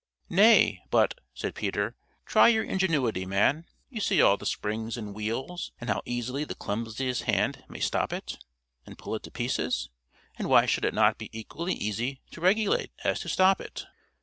"Nay, but," said Peter, "try your ingenuity, man; you see all the springs and wheels and how easily the clumsiest hand may stop it, and pull it to pieces, and why should it not be equally easy to regulate as to stop it?"